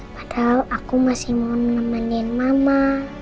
padahal aku masih mau nemenin mama